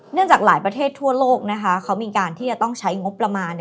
จากหลายประเทศทั่วโลกนะคะเขามีการที่จะต้องใช้งบประมาณ